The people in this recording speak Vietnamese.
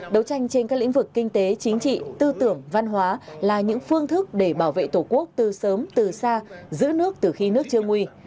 đấu tranh trên các lĩnh vực kinh tế chính trị tư tưởng văn hóa là những phương thức để bảo vệ tổ quốc từ sớm từ xa giữ nước từ khi nước chưa nguy